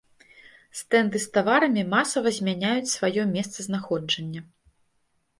Стэнды з таварамі масава змяняюць сваё месцазнаходжання.